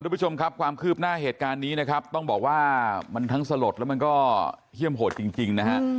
คุณผู้ชมครับความคืบหน้าเหตุการณ์นี้นะครับต้องบอกว่ามันทั้งสลดแล้วมันก็เฮี่ยมโหดจริงนะฮะ